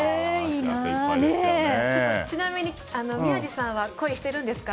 ちなみに宮司さんは恋してるんですか？